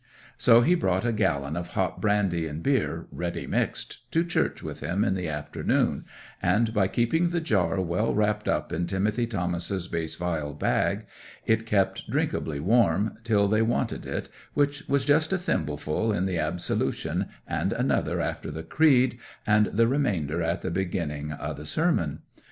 'So he brought a gallon of hot brandy and beer, ready mixed, to church with him in the afternoon, and by keeping the jar well wrapped up in Timothy Thomas's bass viol bag it kept drinkably warm till they wanted it, which was just a thimbleful in the Absolution, and another after the Creed, and the remainder at the beginning o' the sermon.